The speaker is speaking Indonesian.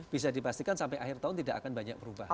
bisa dipastikan sampai akhir tahun tidak akan banyak perubahan